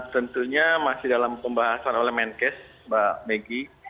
tentunya masih dalam pembahasan oleh menkes mbak megi